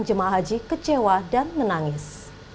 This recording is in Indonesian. jemaah haji kecewa dan menangis